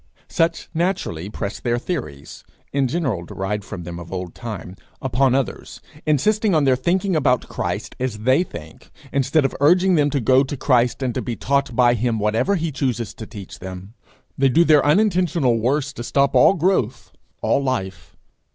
Such, naturally, press their theories, in general derived from them of old time, upon others, insisting on their thinking about Christ as they think, instead of urging them to go to Christ to be taught by him whatever he chooses to teach them. They do their unintentional worst to stop all growth, all life.